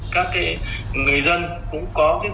các người dân cũng có